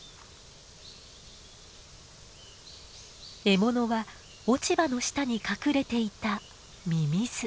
獲物は落ち葉の下に隠れていたミミズ。